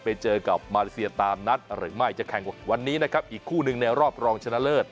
ไปเจอกับมาเลเซียตามนัดหรือไม่จะแข่งวันนี้นะครับอีกคู่หนึ่งในรอบรองชนะเลิศ